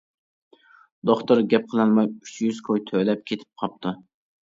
دوختۇر گەپ قىلالماي ئۈچ يۈز كوي تۆلەپ كېتىپ قاپتۇ.